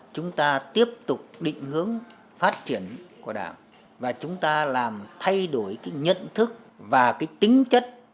chúng ta tiếp tục định hướng phát triển của đảng và chúng ta làm thay đổi cái nhận thức và cái tính chất